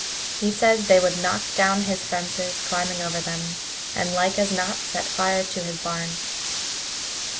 He says they would knock down his fences climbing over them, and like as not set fire to his barn."